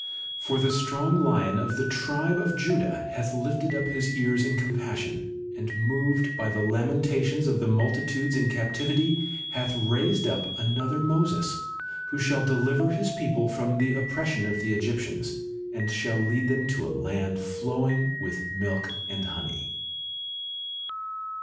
X For the strong lion of the tribe of Judah hath lifted up his ears in compassion, and moved by the lamentations of the multitudes in captivity hath raised up another Moses, who shall deliver his people from the oppression of the Egyptians, and shall lead them to a land nowing with milk and honey.